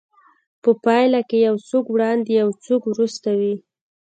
په پايله کې يو څوک وړاندې او يو څوک وروسته وي.